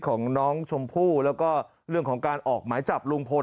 ของน้องชมพู่แล้วก็เรื่องของการออกหมายจับลุงพล